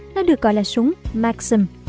nó được gọi là súng maxim